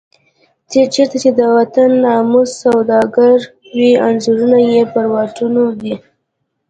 چېرته چې د وطن د ناموس سوداګر وي انځورونه یې پر واټونو دي.